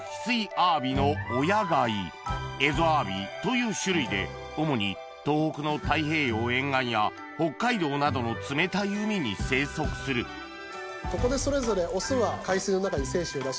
あわびの親貝エゾアワビという種類で主に東北の太平洋沿岸や北海道などの冷たい海に生息するここでそれぞれ。